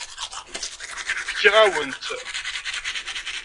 Fkiɣ-awen-tt.